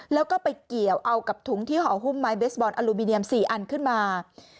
แล้วก็ไปเกี่ยวเอากับถุงที่ห่อหุ้มไม้เบสบอลอลูมิเนียม๔อันขึ้นมา